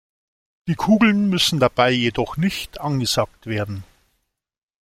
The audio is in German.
Die Kugeln müssen dabei jedoch nicht angesagt werden.